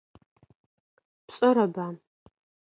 Пшӏэрэба?